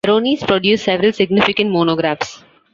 Veronese produced several significant monographs.